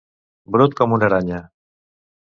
Brut com una aranya.